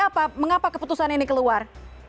apa mengapa keputusan ini keluar